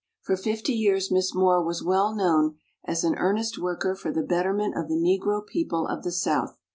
For fifty years Miss Moore was well known as an earnest worker for the betterment of the Negro people of the South.